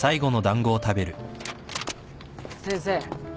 先生。